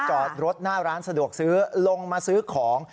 จอดรถหน้าร้านสะดวกซื้อลงมาซื้อของ